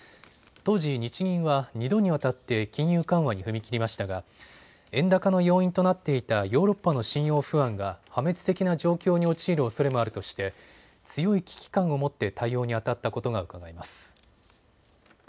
当時、日銀は２度にわたって金融緩和に踏み切りましたが円高の要因となっていたヨーロッパの信用不安が破滅的な状況に陥るおそれもあるとして強い危機感を持って対応にあたったことがうかがえます。